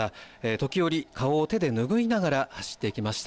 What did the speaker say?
時折、顔を手で拭いながら走っていきました。